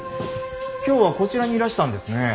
今日はこちらにいらしたんですね。